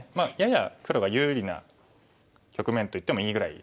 やや黒が有利な局面と言ってもいいぐらいですね。